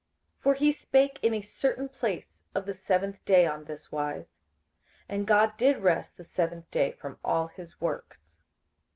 58:004:004 For he spake in a certain place of the seventh day on this wise, And God did rest the seventh day from all his works.